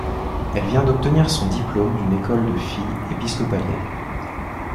Elle vient d'obtenir son diplôme d'une école de filles épiscopalienne.